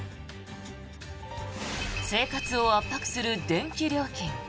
生活を圧迫する電気料金。